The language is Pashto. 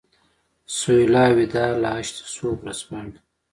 سهیلا وداع له هشت صبح ورځپاڼې.